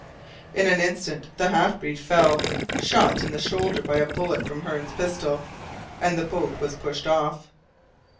In an instant the half breed fell, shot in the shoulder by a bullet from Hearne's pistol, and the boat was pushed off.